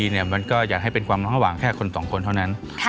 ยังไงคะหนุ่มสาวนักศักดิ์สันเนีย